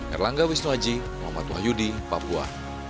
erlangga wisnuaji muhammad wahyudi papua